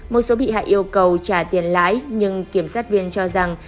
một số bị hại yêu cầu trả tiền lái nhưng kiểm soát viên cho rằng